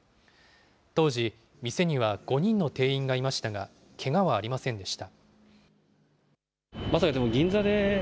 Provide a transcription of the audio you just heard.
当時、店には５人の店員がいましたが、けがはありませんでした。